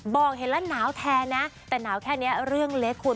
บอกเห็นแล้วหนาวแทนนะแต่หนาวแค่นี้เรื่องเล็กคุณ